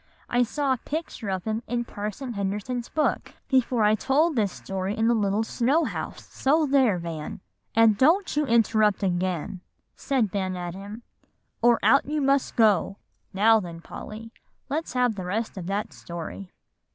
"I saw a picture of him in Parson Henderson's book before I told this story in the little snow house, so there, Van!" "And don't you interrupt again," said Ben at him, "or out you must go. Now then, Polly, let's have the rest of that story."